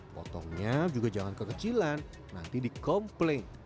potongnya juga jangan kekecilan nanti dikomplain